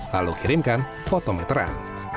lalu kirimkan fotometeran